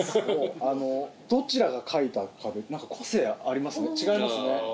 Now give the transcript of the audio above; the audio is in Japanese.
どちらが書いたかで個性ありますね違いますね。